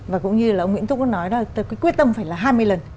và cũng như là ông nguyễn túc có nói là quyết tâm phải là hai mươi lần